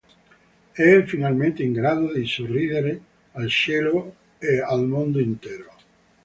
È finalmente in grado di sorridere al cielo e al mondo intero.